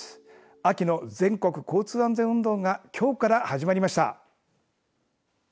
秋の全国交通安全運動がきょうから始まりました。